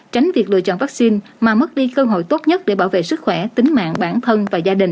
tránh việc lựa chọn vaccine mà mất đi cơ hội tốt nhất để bảo vệ sức khỏe tính mạng bản thân và gia đình